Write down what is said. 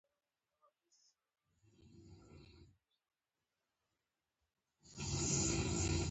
ضحاک ښار ولې سور رنګ لري؟